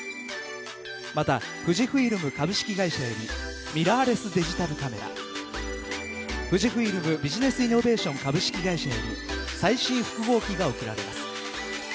また富士フイルム株式会社よりミラーレスデジタルカメラ富士フイルムビジネスイノベーション株式会社より最新複合機が贈られます。